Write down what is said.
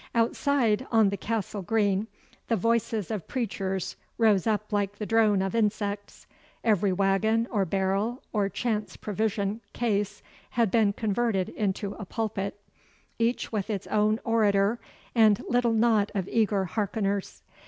Outside, on the Castle Green, the voices of preachers rose up like the drone of insects. Every waggon or barrel or chance provision case had been converted into a pulpit, each with its own orator and little knot of eager hearkeners.